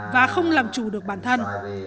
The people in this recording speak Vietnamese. và không làm chủ được bản thân